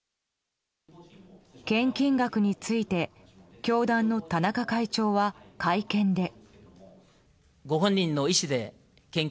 献金額について教団の田中会長は会見で。